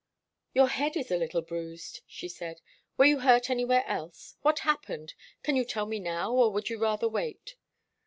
"Your head is a little bruised," she said. "Were you hurt anywhere else? What happened? Can you tell me now, or would you rather wait?"